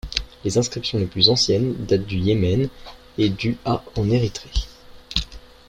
Les inscriptions les plus anciennes datent du au Yémen et du à en Érythrée.